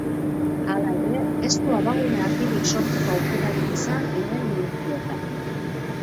Hala ere, ez du abagune argirik sortzeko aukerarik izan lehen minutuetan.